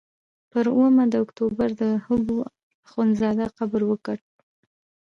پر اوومه د اکتوبر د حبو اخندزاده قبر وکت.